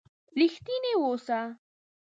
رښتيني وسه.